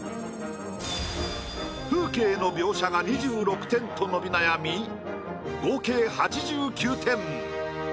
風景の描写が２６点と伸び悩み合計８９点。